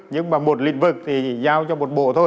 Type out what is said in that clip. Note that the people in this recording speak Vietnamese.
nhưng mà một lĩnh vực thì giao cho một bộ thôi